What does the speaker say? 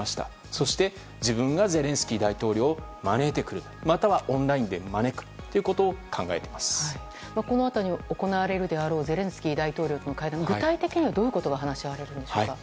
そして、自分がゼレンスキー大統領を招いてくるまたはオンラインで招くことをこのあとに行われるであろうゼレンスキー大統領との会談は具体的にどういうことが話し合われるんでしょうか。